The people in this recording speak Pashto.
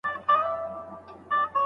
آیا پلازمېنه تر نورو ښارونو بیروبار وي؟